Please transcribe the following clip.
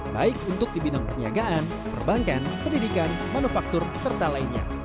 baik untuk di bidang perniagaan perbankan pendidikan manufaktur serta lainnya